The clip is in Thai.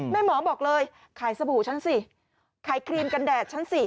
หมอบอกเลยขายสบู่ฉันสิขายครีมกันแดดฉันสิ